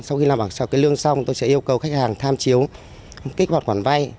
sau khi làm bạc sau cây lương xong tôi sẽ yêu cầu khách hàng tham chiếu kích hoạt khoản vay